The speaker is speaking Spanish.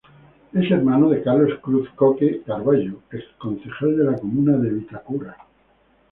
Es hermano de Carlos Cruz-Coke Carvallo, exconcejal de la comuna de Vitacura.